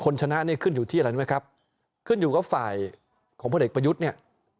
ชนะนี่ขึ้นอยู่ที่อะไรรู้ไหมครับขึ้นอยู่กับฝ่ายของพลเอกประยุทธ์เนี่ย